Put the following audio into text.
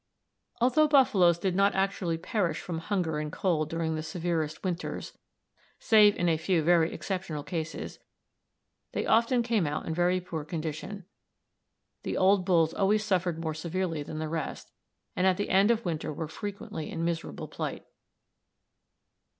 Although buffaloes did not often actually perish from hunger and cold during the severest winters (save in a few very exceptional cases), they often came out in very poor condition. The old bulls always suffered more severely than the rest, and at the end of winter were frequently in miserable plight.